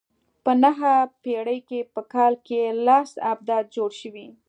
په نهمه پېړۍ کې په کال کې لس ابدات جوړ شوي.